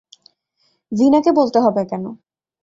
ভীনাকে বলতে হবে কেন?